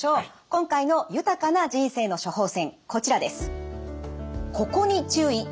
今回の豊かな人生の処方せんこちらです。